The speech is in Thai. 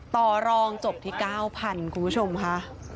ต่อรองจบที่๙๐๐คุณผู้ชมค่ะ